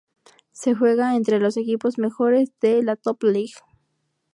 Se juega entre los equipos mejores de la Top League.